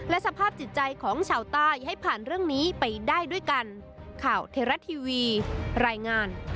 สภาพจิตใจของชาวใต้ให้ผ่านเรื่องนี้ไปได้ด้วยกัน